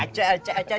acah acah acah